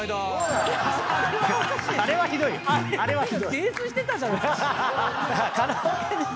泥酔してたじゃないですか。